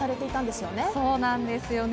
そうなんですよね。